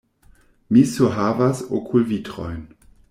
Mi surhavas okulvitrojn.